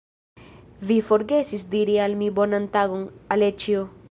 Vi forgesis diri al mi bonan tagon, Aleĉjo!